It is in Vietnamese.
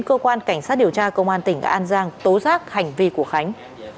cơ quan cảnh sát điều tra công an tỉnh an giang tố giác hành vi của khánh